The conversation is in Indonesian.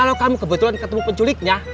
kalau kamu kebetulan ketemu penculiknya